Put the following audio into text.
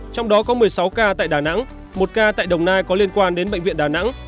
trong đó có một mươi sáu ca tại đà nẵng một ca tại đồng nai có liên quan đến bệnh viện đà nẵng